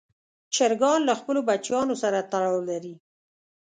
چرګان له خپلو بچیانو سره تړاو لري.